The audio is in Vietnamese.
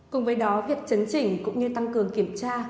cùng với đó việc chấn chỉnh cũng như tăng cường kiểm tra